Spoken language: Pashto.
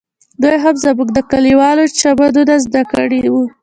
دوى هم زموږ د کليوالو چمونه زده کړي وو.